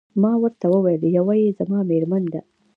ما ورته وویل: یوه يې زما میرمن ده.